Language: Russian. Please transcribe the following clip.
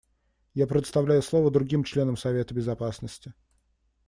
Я предоставляю слово другим членам Совета Безопасности.